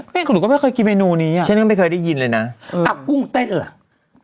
หนูก็ไม่เคยกินเมนูนี้อ่ะฉันก็ไม่เคยได้ยินเลยนะอับกุ้งเต้นเหรอ